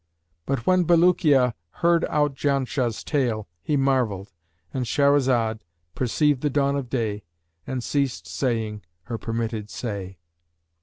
But when Bulukiya heard out Janshah's tale he marvelled,"—And Shahrazad perceived the dawn of day and ceased saying her permitted say.